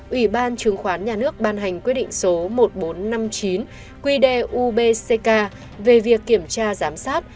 ủy ban chứng khoán nhà nước ban hành quyết định số một nghìn bốn trăm năm mươi chín quy đề ubck về việc kiểm tra giám sát